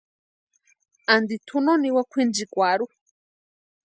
Anti tʼu no niwa kwʼinchikwarhu.